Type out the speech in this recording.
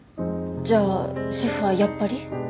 じゃあシェフはやっぱり。